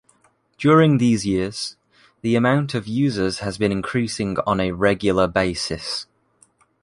During these years, the amount of users has been increasing on a regular basis.